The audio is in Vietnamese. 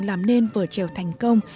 làm nên vở trèo thành công